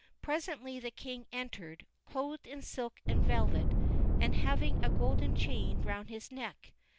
Presently the king entered, clothed in silk and velvet, and having a golden chain round his neck.